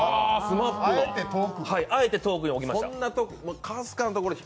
あえて遠くに置きました。